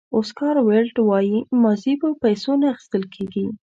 اوسکار ویلډ وایي ماضي په پیسو نه اخیستل کېږي.